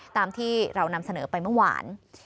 ตามที่เรานำเสนอไปเมื่อวาน